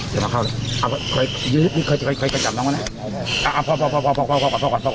หรือว่าเขาแต่งชุดอย่างไรครับ